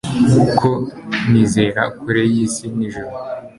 Ko nizera kure yisi n’ijuru